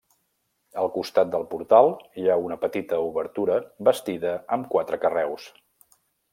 Al costat del portal hi ha una petita obertura bastida amb quatre carreus.